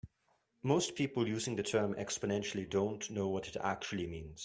Most people using the term "exponentially" don't know what it actually means.